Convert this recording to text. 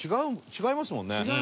違いますもん。